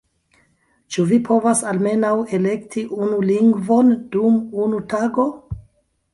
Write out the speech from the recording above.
— Ĉu vi povas almenaŭ elekti unu lingvon dum unu tago?!